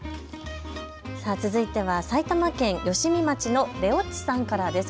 続いては埼玉県吉見町のれおっちさんからです。